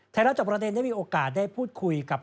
รับจอบประเด็นได้มีโอกาสได้พูดคุยกับ